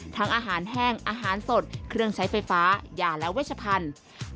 อาหารแห้งอาหารสดเครื่องใช้ไฟฟ้ายาและเวชพันธุ์